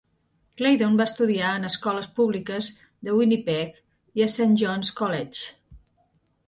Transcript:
Claydon va estudiar en escoles públiques de Winnipeg i a Saint Johns College.